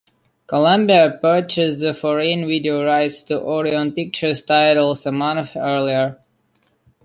Columbia purchased the foreign video rights to Orion Pictures titles a month earlier.